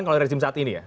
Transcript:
kalau rezim saat ini ya